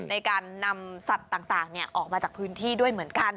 ในการนำสัตว์ต่างออกมาจากพื้นที่ด้วยเหมือนกัน